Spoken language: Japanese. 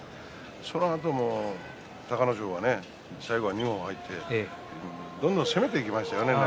そのあとも隆の勝が最後は二本入ってどんどん攻めていきましたよね。